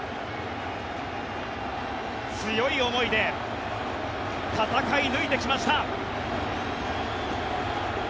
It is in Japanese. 強い思いで戦い抜いてきました。